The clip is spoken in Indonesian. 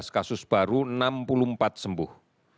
tujuh belas kasus baru enam puluh empat sembuh